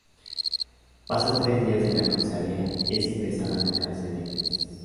Pasa tres días en la Comisaría y es ingresado en la Cárcel de Jerez.